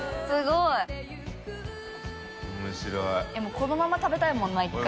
このまま食べたいもんな１回。